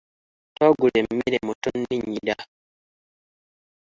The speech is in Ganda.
Twagula emmere mu tonninnyira.